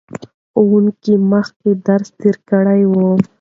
ښوونکي مخکې درس تیار کړی و.